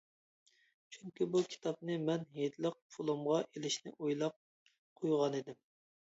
چۈنكى، بۇ كىتابنى مەن ھېيتلىق پۇلۇمغا ئېلىشنى ئويلاپ قويغانىدىم.